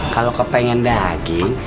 kalau kepengen daging